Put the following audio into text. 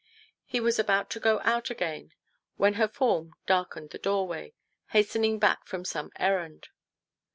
He was about to go out again, when her form darkened the doorway, hastening back from some errand.